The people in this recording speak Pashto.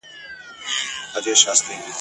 او هغې په ورين تندي پر ځان ومنله